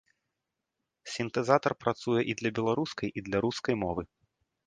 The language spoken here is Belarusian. Сінтэзатар працуе і для беларускай, і для рускай мовы.